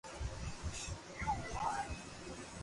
اوري وجہ مون گھڻا جملا ليکيا ھي